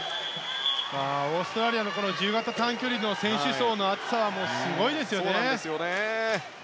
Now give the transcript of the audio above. オーストラリアの自由形短距離の選手層の厚さはすごいですよね。